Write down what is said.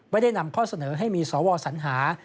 ได้นำข้อเสนอให้มีสวสัญหา